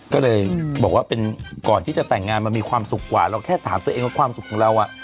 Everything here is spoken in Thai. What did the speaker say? ก็เลยบอกว่าเป็นก่อนที่จะแต่งงานมันมีความสุขกว่าเราแค่ถามตัวเองว่าความสุขของเรา